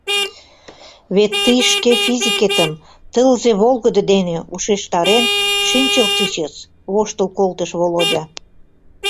— Вет тый шке физикетым тылзе волгыдо дене ушештарен шинчылтычыс, — воштыл колтыш Володя.